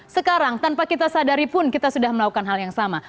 sekarang tanpa kita sadari pun kita sudah melakukan hal yang sama